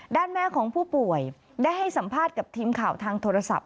ด้านแม่ของผู้ป่วยได้ให้สัมภาษณ์กับทีมข่าวทางโทรศัพท์